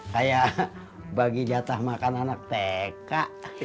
kayak bagi jatah makan anak tk